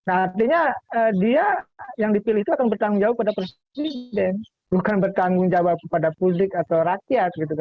artinya dia yang dipilih itu akan bertanggung jawab pada presiden bukan bertanggung jawab pada publik atau rakyat